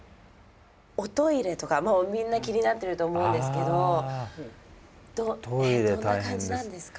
おトイレとかもうみんな気になってると思うんですけどどんな感じなんですか？